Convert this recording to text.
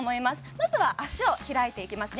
まずは脚を開いていきますね